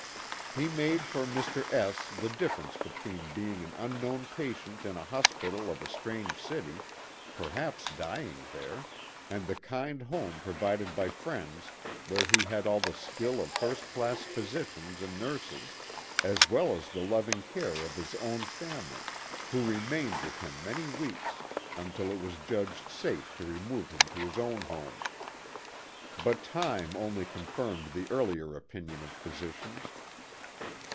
He made for Mr. S the difference between being an unknown patient in a hospital of a strange city, perhaps dying there, and the kind home provided by friends where he had all the skill of first class physicians and nurses, as well as the loving care of his own family, who remained with him many weeks until it was judged safe to remove him to his own home. But time only confirmed the earlier opinion of physicians.